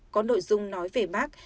có nội dung nói về bác